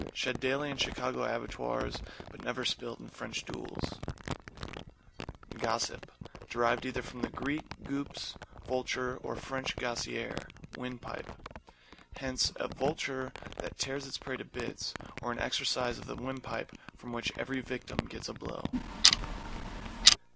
Shed daily in Chicago abattoirs but never spilled in French duels. =GOSSIP= Derived either from the Grk. gups, vulture, or Fr. gosier, wind pipe. Hence, a vulture that tears its prey to bits, or an exercise of the wind pipe from which every victim gets a blow.